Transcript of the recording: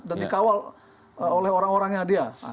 dan dikawal oleh orang orangnya dia